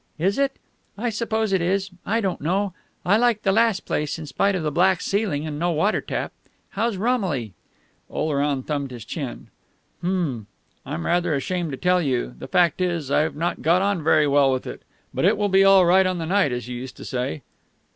"Is it? I suppose it is; I don't know. I liked the last place, in spite of the black ceiling and no watertap. How's Romilly?" Oleron thumbed his chin. "Hm! I'm rather ashamed to tell you. The fact is, I've not got on very well with it. But it will be all right on the night, as you used to say."